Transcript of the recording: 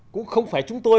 cũng không phải chúng tôi